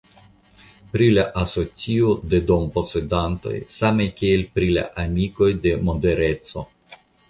Pri la asocio de domposedantoj same kiel pri la amikoj de modereco.